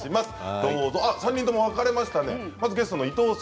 ３人とも分かれました。